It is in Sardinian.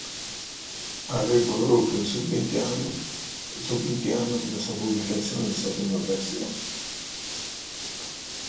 Arribat pròpiu in su de binti annos de sa publicatzione de sa prima versione.